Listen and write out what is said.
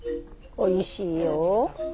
おいしいよ